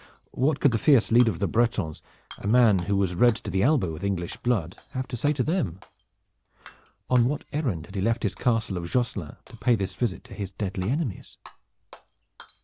What could the fierce leader of the Bretons, a man who was red to the elbow with English blood, have to say to them? On what errand had he left his castle of Josselin to pay this visit to his deadly enemies?